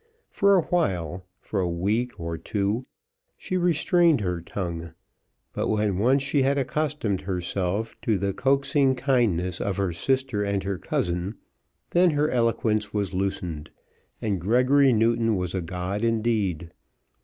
For a while, for a week or two, she restrained her tongue; but when once she had accustomed herself to the coaxing kindness of her sister and her cousin, then her eloquence was loosened, and Gregory Newton was a god indeed.